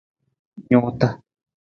Nuuta.